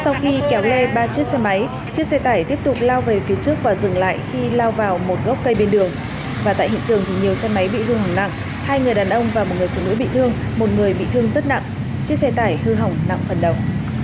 sau khi kéo lê ba chiếc xe máy chiếc xe tải tiếp tục lao về phía trước và dừng lại khi lao vào một gốc cây bên đường và tại hiện trường thì nhiều xe máy bị hư hỏng nặng hai người đàn ông và một người phụ nữ bị thương một người bị thương rất nặng chiếc xe tải hư hỏng nặng phần đầu